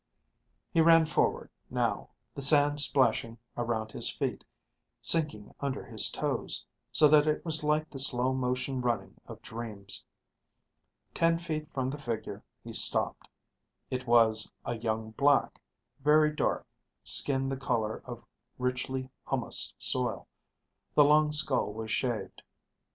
He ran forward, now, the sand splashing around his feet, sinking under his toes, so that it was like the slow motion running of dreams. Ten feet from the figure he stopped. It was a young black, very dark, skin the color of richly humused soil. The long skull was shaved.